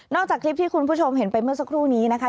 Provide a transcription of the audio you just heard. จากคลิปที่คุณผู้ชมเห็นไปเมื่อสักครู่นี้นะคะ